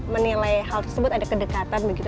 menilai hal tersebut ada kedekatan begitu